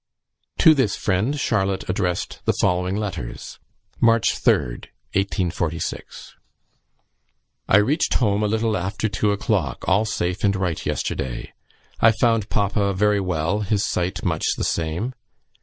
To this friend Charlotte addressed the following letters: "March 3rd, 1846. "I reached home a little after two o'clock, all safe and right yesterday; I found papa very well; his sight much the same.